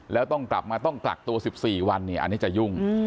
แล้วต้องกลับมาต้องกักตัว๑๔วันเนี่ยอันนี้จะยุ่ง